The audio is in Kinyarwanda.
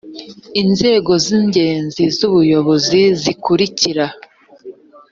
inzego z ingenzi z ubuyobozi zikurikira